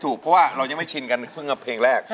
ถูกเพราะว่าเรายังไม่ชินกันเพิ่งกับเพลงแรก